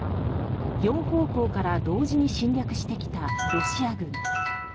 ４方向から同時に侵略してきたロシア軍。